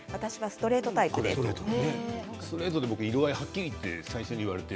ストレートは色合いをはっきりと言われて。